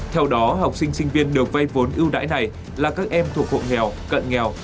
theo đó học sinh sinh viên được vay vốn ưu đãi này là các em thuộc hộ nghèo cận nghèo